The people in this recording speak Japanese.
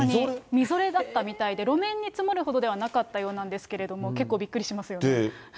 みぞれだったようで、路面に積もるほどではなかったようなんですけれども、結構びっくりしますよね。